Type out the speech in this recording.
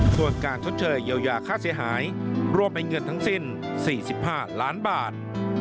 ส่วนการชดเชยเยียวยาค่าเสียหายรวมเป็นเงินทั้งสิ้น๔๕ล้านบาท